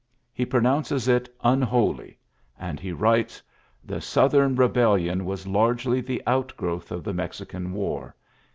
He pronounces it "unholy," and he writes : "The Southern Eebell ion was largely the outgrowth of the Mexican War.